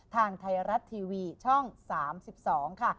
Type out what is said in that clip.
ทางไทยรัฐทีวีช่อง๓๒ค่ะ